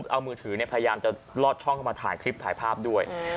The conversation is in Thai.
เอามือถือพยายามจะลอดช่องเข้ามาถ่ายคลิปถ่ายภาพด้วย